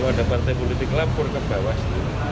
ada partai politik lapor ke bawaslu